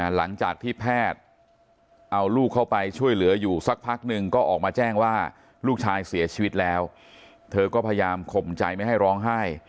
หลังจากที่แพทย์เอาลูกเข้าไปช่วยเหลืออยู่สักพักหนึ่งก็ออกมาแจ้งว่าลูกชายเสียชีวิตแล้วเธอก็พยายามข่มใจไม่ให้ร้องไห้